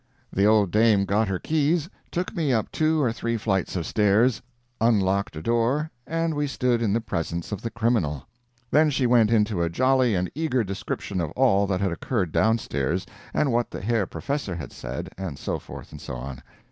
The old dame got her keys, took me up two or three flights of stairs, unlocked a door, and we stood in the presence of the criminal. Then she went into a jolly and eager description of all that had occurred downstairs, and what the Herr Professor had said, and so forth and so on.